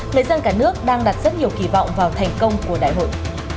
người dân cả nước đang đặt rất nhiều kỳ vọng vào thành công của đại hội